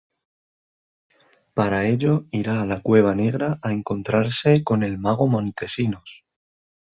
Para ello irá a la cueva negra a encontrarse con el mago Montesinos.